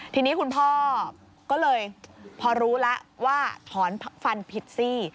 ทีนี้คุณพ่อก็เลยพอรู้แล้วว่าถอนฟันผิดซี่